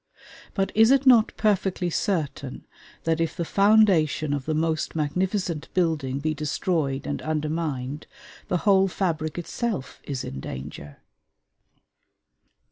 But is it not perfectly certain that if the foundation of the most magnificent building be destroyed and undermined, the whole fabric itself is in danger?